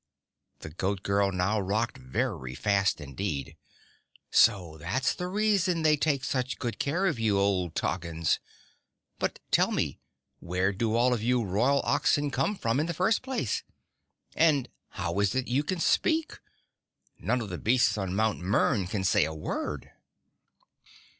The Goat Girl now rocked very fast indeed. "So that's the reason they take such good care of you, old Toggins. But tell me, where do all of you Royal Oxen come from in the first place? And how is it you can speak? None of the beasts on Mount Mern can say a word."